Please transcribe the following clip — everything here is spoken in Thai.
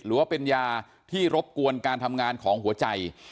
หรือว่าเป็นยาที่รบกวนการทำงานของหัวใจ